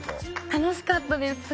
楽しかったです